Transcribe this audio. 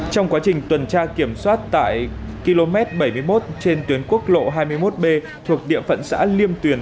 trong quá trình tuần tra kiểm soát tại km bảy mươi một trên tuyến quốc lộ hai mươi một b thuộc địa phận xã liêm tuyền